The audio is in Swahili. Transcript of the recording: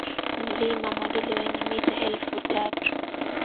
Mlima Monduli wenye mita elfu tatu